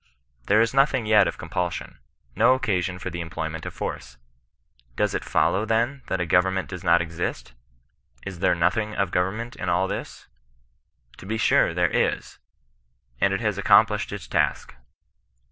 There is nothing yet of compulsion, no occasion for the employment of force. Does it follow, then, that a government does not exist ? Is there nothing of govern ment in all this % To be sure there is, and it has ac complished its task.